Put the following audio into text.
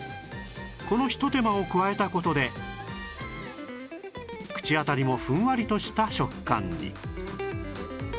このひと手間を加えた事で口当たりもふんわりとした食感に